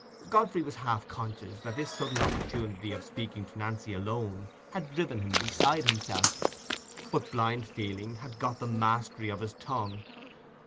Godfrey was half conscious that this sudden opportunity of speaking to Nancy alone had driven him beside himself; but blind feeling had got the mastery of his tongue.